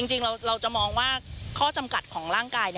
จริงเราจะมองว่าข้อจำกัดของร่างกาย